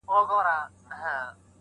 هره تجربه نوی درس دی.